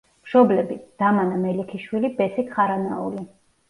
მშობლები: დამანა მელიქიშვილი, ბესიკ ხარანაული.